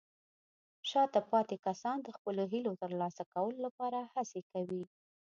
شاته پاتې کسان د خپلو هیلو ترلاسه کولو لپاره هڅې کوي.